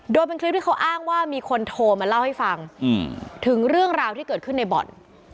โดยเป็นคลิปที่เขาอ้างว่ามีคนโทรมาเล่าให้ฟังถึงเรื่องราวที่เกิดขึ้นในบ่อน